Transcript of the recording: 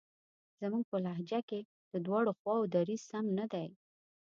زموږ په لهجه کې د دواړو خواوو دریځ سم نه دی.